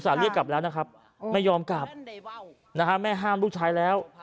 เรียกกลับแล้วนะครับไม่ยอมกลับนะฮะแม่ห้ามลูกชายแล้ว